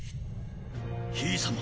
ひい様